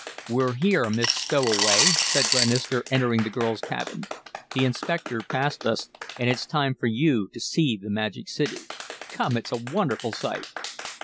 "We're here, Miss Stowaway," said Glenister, entering the girl's cabin. "The inspector passed us and it's time for you to see the magic city. Come, it's a wonderful sight."